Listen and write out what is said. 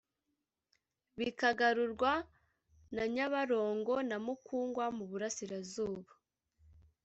bikagarurwa na Nyabarongo na Mukungwa (mu burasirazuba)